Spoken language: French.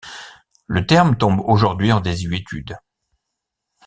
Le terme tombe aujourd'hui en désuétude.